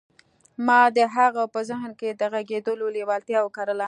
ما د هغه په ذهن کې د غږېدلو لېوالتیا وکرله